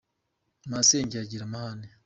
Masenge agira amahane.